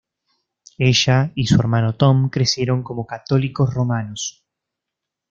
Ella y su hermano Tom crecieron como católicos romanos.